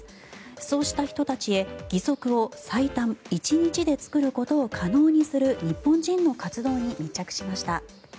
そうした人たちへ義足を最短１日で作ることを可能にする日本人の活動に密着しました。